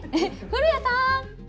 古谷さん！